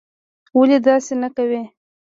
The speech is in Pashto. ولي داسې نه کوې?